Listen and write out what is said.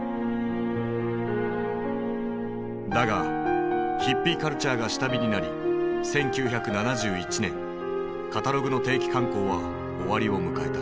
だがヒッピーカルチャーが下火になり１９７１年カタログの定期刊行は終わりを迎えた。